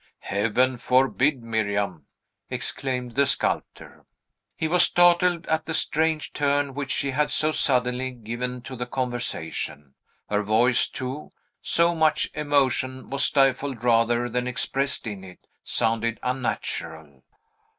"Heaven forbid, Miriam!" exclaimed the sculptor. He was startled at the strange turn which she had so suddenly given to the conversation. Her voice, too, so much emotion was stifled rather than expressed in it, sounded unnatural.